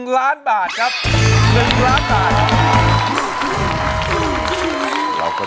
๑ล้านบาทครับ๑ล้านบาท